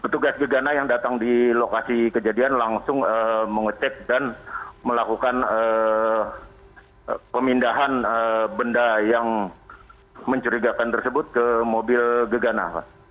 petugas gegana yang datang di lokasi kejadian langsung mengecek dan melakukan pemindahan benda yang mencurigakan tersebut ke mobil gegana